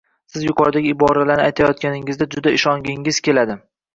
siz yuqoridagi iboralarni aytayotganligingizga juda ishongizgiz keladi.